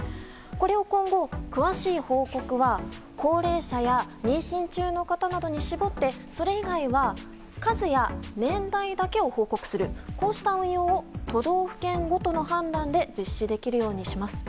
これを今後、詳しい報告は高齢者や妊娠中の方などに絞ってそれ以外は数や年代だけを報告するこうした運用を都道府県ごとの判断で実施できるようにします。